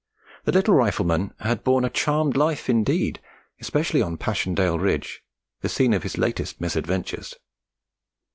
The little Rifleman had borne a charmed life indeed, especially on Passchendaele Ridge, the scene of his latest misadventures.